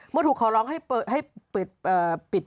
เมื่อถูกขอร้องให้ปิด